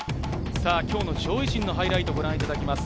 今日の上位陣のハイライトをご覧いただきます。